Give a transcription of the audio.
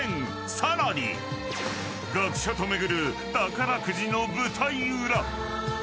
更に、学者と巡る宝くじの舞台裏。